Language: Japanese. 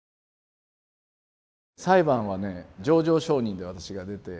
裁判はね情状証人で私が出て。